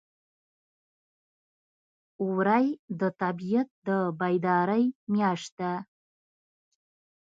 وری د طبیعت د بیدارۍ میاشت ده.